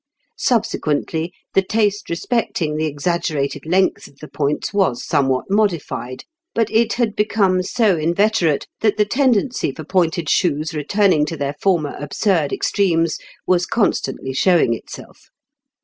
Subsequently, the taste respecting the exaggerated length of the points was somewhat modified, but it had become so inveterate that the tendency for pointed shoes returning to their former absurd extremes was constantly showing itself.